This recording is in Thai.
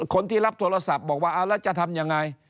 คนที่รับโทรศัพท์บอกว่าเอาแล้วจะทำยังไง